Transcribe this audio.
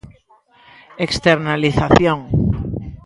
Externalización.